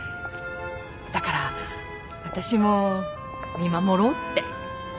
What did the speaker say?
だからわたしも見守ろうって。